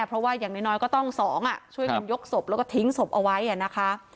เพราะว่าอย่างน้อยก็ต้อง๒ช่วยกันยกศพแล้วก็ทิ้งศพเอาไว้นะคะ